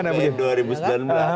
dan di tahun dua ribu sembilan belas